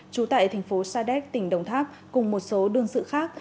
trú tại thành phố sadek tỉnh đồng tháp cùng một số đương sự khác